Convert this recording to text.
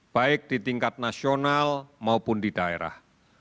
baik di tingkat nasional maupun di daerah